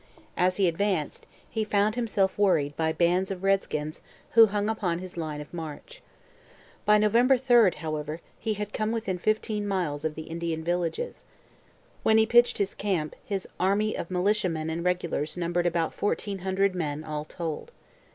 As he advanced, he found himself worried by bands of redskins who hung upon his line of march. By November 3, however, he had come within fifteen miles of the Indian villages. When he pitched his camp, his army of militiamen and regulars numbered about fourteen hundred men all told.